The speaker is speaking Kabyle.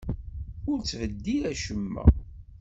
Ur ttbeddil acemma!